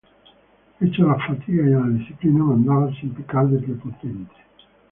Hecho a las fatigas y a la disciplina, mandaba sin pecar de prepotente.